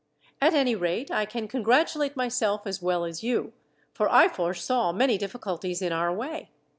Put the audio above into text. At any rate, I can congratulate myself as well as you, for I foresaw many difficulties in our way.